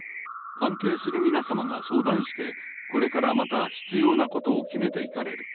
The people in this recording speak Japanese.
関係する皆様が相談して、これからまた必要なことを決めていかれる。